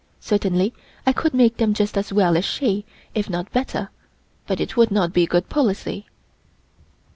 Certainly I could make them just as well as she, if not better, but it would not be good policy."